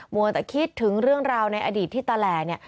วัวแต่คิดถึงเรื่องราวในอดีตที่ตาแหล่เนี่ย